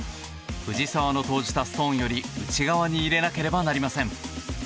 藤澤の投じたストーンより内側に入れなければなりません。